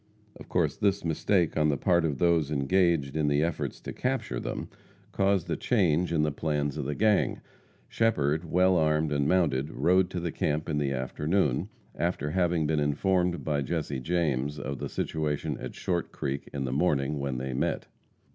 Of course this mistake on the part of those engaged in the efforts to capture them, caused a change in the plans of the gang. Shepherd, well armed and mounted, rode to the camp in the afternoon, after having been informed by Jesse James of the situation at Short Creek in the morning when they met.